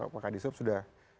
pak kadisub sudah